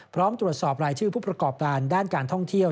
พร้อมตรวจสอบรายชื่อผู้ประกอบการด้านการท่องเที่ยว